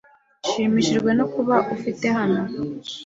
Nshimishijwe no kuba ufite hano.